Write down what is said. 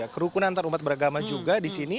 kerukunan antarumat beragama juga di sini